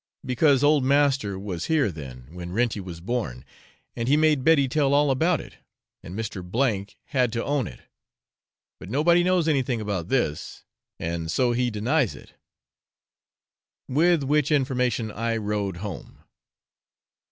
'Because old master was here then, when Renty was born, and he made Betty tell all about it, and Mr. K had to own it; but nobody knows anything about this, and so he denies it' with which information I rode home.